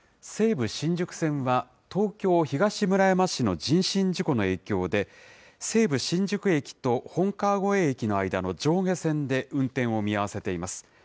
西武新宿線は、東京・東村山市の人身事故の影響で、西武新宿駅と本川越駅の間の上下線で運転を見合わせています。